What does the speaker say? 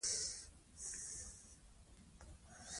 دوی له ماتي سره مخامخ کېږي.